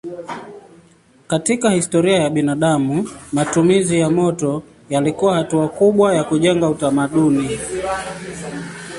Katika historia ya binadamu matumizi ya moto yalikuwa hatua kubwa ya kujenga utamaduni.